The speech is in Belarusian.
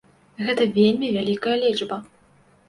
Гэта вельмі вялікая лічба.